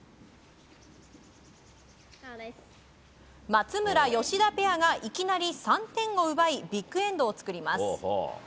松村、吉田ペアがいきなり３点を奪いビッグエンドを作ります。